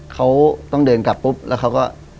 เขาต้องเดินกลับปุ๊บแล้วเขาก็